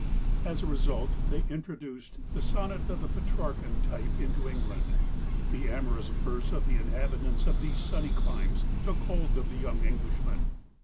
As a result they introduced the Sonnet of the Petrarchan type into England. The amorous verse of the inhabitants of these sunny climes took hold of the young Englishmen.